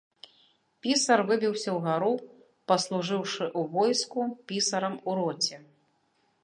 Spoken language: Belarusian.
Пісар выбіўся ўгару, паслужыўшы ў войску, пісарам у роце.